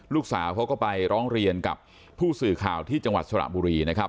ลูกสาวเขาก็ไปร้องเรียนกับผู้สื่อข่าวที่จังหวัดสระบุรีนะครับ